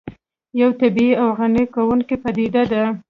یو طبیعي او غني کوونکې پدیده ده